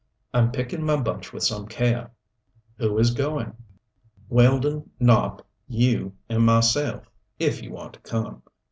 I'm picking my bunch with some care." "Who is going?" "Weldon, Nopp, you and myself if you want to come.